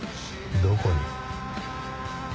どこに？